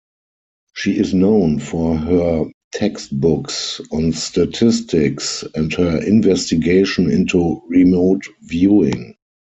She is known for her textbooks on statistics and her investigation into remote viewing.